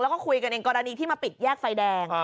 แล้วก็คุยกันเองกรณีที่มาปิดแยกไฟแดง